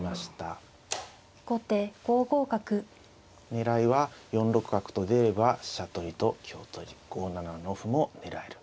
狙いは４六角と出れば飛車取りと香取り５七の歩も狙える。